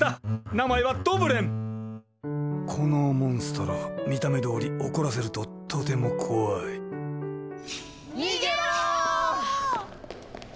名前はこのモンストロ見た目どおり怒らせるととても怖い逃げろ！